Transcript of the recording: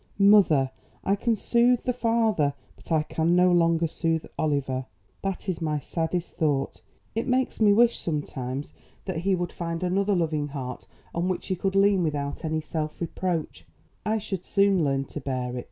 "Mother, I can soothe the father, but I can no longer soothe Oliver. That is my saddest thought. It makes me wish, sometimes, that he would find another loving heart on which he could lean without any self reproach. I should soon learn to bear it.